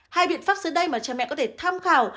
hai biện pháp dưới đây mà cha mẹ có thể tham khảo